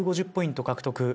１５０ポイント獲得。